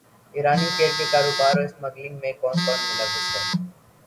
ایرانی تیل کے کاروبار اور اسمگلنگ میں کون کون ملوث ہے